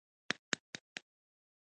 سید په عربي متن کې سلطان احمد خان.